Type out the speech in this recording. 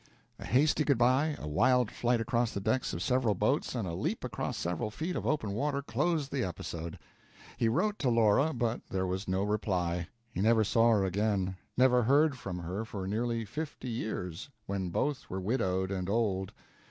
A hasty good by, a wild flight across the decks of several boats, and a leap across several feet of open water closed the episode. He wrote to Laura, but there was no reply. He never saw her again, never heard from her for nearly fifty years, when both were widowed and old.